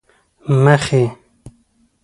مخې،